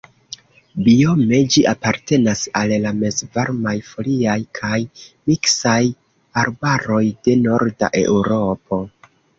Biome ĝi apartenas al la mezvarmaj foliaj kaj miksaj arbaroj de Norda Eŭropo.